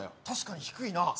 確かに低いな。